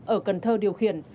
ở cần thơ điều khiển